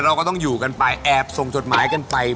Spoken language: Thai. เราก็ต้องอยู่กันไปแอบส่งจดหมายกันไป